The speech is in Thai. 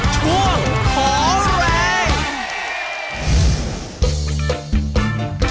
ช่วงขอแรง